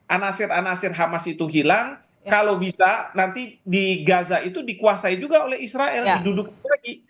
anasir anasir hamas itu hilang kalau bisa nanti di gaza itu dikuasai juga oleh israel diduduk lagi